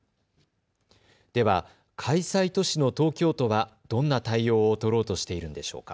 では開催都市の東京都はどんな対応を取ろうとしているんでしょうか。